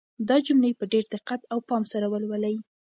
دا جملې په ډېر دقت او پام سره ولولئ.